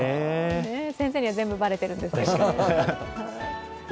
先生には全部バレてるんですけどね。